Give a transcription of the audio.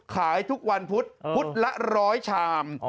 ขายทุกวันพุธพุธละร้อยชาม